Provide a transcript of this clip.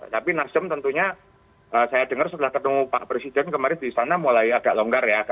tapi nasdem tentunya saya dengar setelah ketemu pak presiden kemarin di sana mulai agak longgar ya